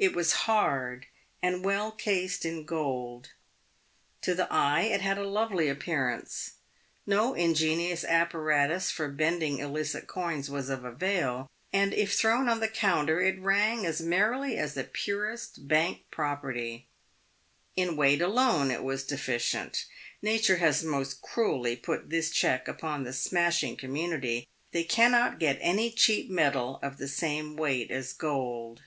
It was hard, and well cased in gold. To the eye it had a lovely appearance. No ingenious apparatus for bending illicit coin was of avail, and if thrown on the counter it rang as merrily as the purest Bank property. In weight alone it was deficient. Nature has most cruelly put this check upon the smashing community — they cannot get any cheap metal of the same weight as gold.